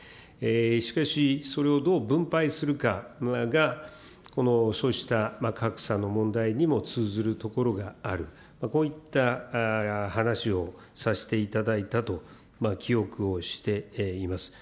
しかしそれをどう分配するかが、そうした格差の問題にも通ずるところがある、こういった話をさせていただいたと記憶をしています。